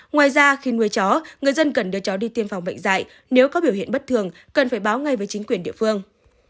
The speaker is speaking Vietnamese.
ngoài ra khi nuôi chó người dân cần đưa chó đi tiêm phòng bệnh dạy nếu có biểu hiện bất thường cần phải báo ngay với chính quyền địa phương